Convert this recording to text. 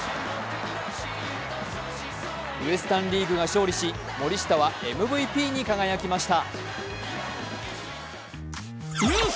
ウエスタン・リーグが勝利し、森下はＭＶＰに輝きました。